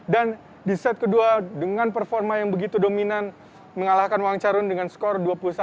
dan di set kedua dengan performa yang begitu dominan mengalahkan wangcarun dengan skor dua puluh satu delapan